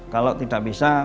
kalau tidak bisa